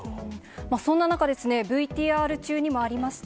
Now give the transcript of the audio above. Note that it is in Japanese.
そんな中、ＶＴＲ中にもありました